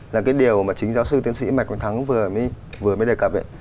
là cái điều mà chính giáo sư tiến sĩ mạch quang thắng vừa mới đề cập